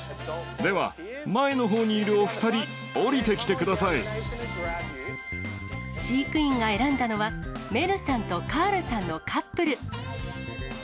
では、前のほうにいるお２人、飼育員が選んだのは、メルさんとカールさんのカップル。